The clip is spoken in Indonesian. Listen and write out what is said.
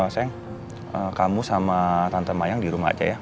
sayang kamu sama tante mayang di rumah aja ya